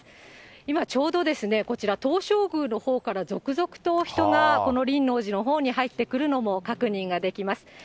今、ちょうど、こちら東照宮のほうから続々と人がこの輪王寺のほうに入ってくるのも確認ができます。